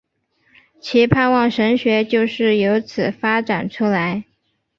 其盼望神学就是有此发展出来。